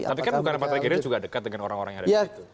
tapi kan bukarnapak tegirin juga dekat dengan orang orang yang ada di situ